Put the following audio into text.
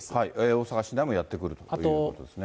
大阪市内もやって来るということですね。